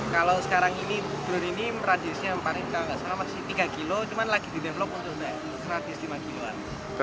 kalau sekarang ini drone ini radiusnya paling kalau nggak salah masih tiga kilo cuman lagi di develop untuk radius lima kilo an